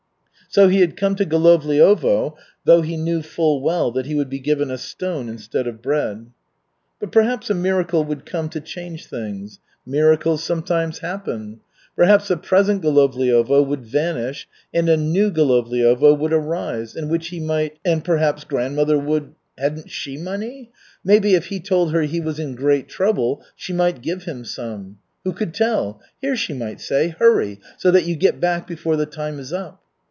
So he had come to Golovliovo, though he knew full well that he would be given a stone instead of bread. But perhaps a miracle would come to change things. Miracles sometimes happen. Perhaps the present Golovliovo would vanish and a new Golovliovo would arise, in which he might And perhaps grandmother would hadn't she money? Maybe, if he told her he was in great trouble, she might give him some. Who could tell? "Here," she might say, "hurry, so that you get back before the time is up."